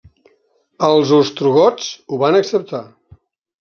Els ostrogots ho van acceptar.